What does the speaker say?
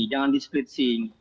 jangan di splitsing